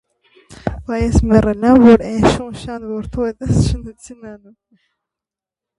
Բա ես մեռե՞լ եմ, որ էն շուն շան որդու հետ ես շնութին անո՞ւմ: